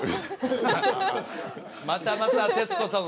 またまた徹子さん